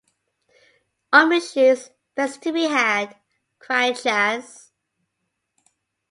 "Army shoes, best to be had," cried Chaz.